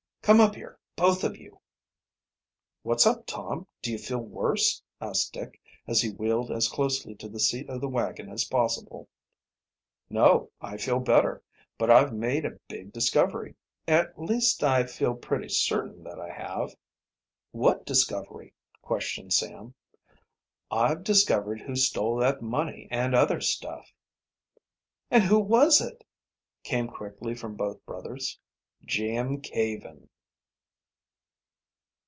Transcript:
"Come up here, both of you!" "What's up, Tom; do you feel worse?" asked Dick, as he wheeled as closely to the seat of the wagon as possible. "No, I feel better. But I've made a big discovery at least, I feel pretty certain that I have?" "What discovery?" questioned Sam. "I've discovered who stole that money and other stuff." "And who was it?" came quickly from both brothers. "Jim Caven."